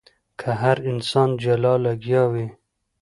که هر انسان جلا لګيا وي.